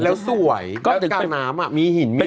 แล้วสวยแล้วกลางน้ำอ่ะมีหินมีหุ่น